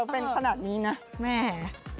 เป็นขนาดนี้นะแม่